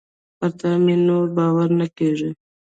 پر تا مي نور باور نه کېږي .